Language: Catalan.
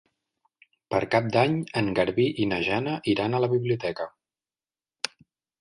Per Cap d'Any en Garbí i na Jana iran a la biblioteca.